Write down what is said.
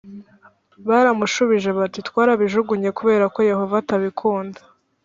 Baramushubije bati twarabijugunye kubera ko Yehova atabikunda